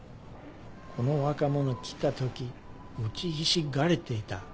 この若者来た時うちひしがれていた。